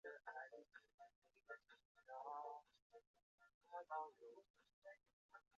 早先曾设有中国人民政治协商会议全国委员会办公厅行政管理局。